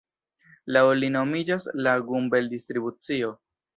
Laŭ li nomiĝas la Gumbel-Distribucio.